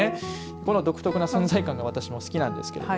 この独特な存在感が私も好きなんですけど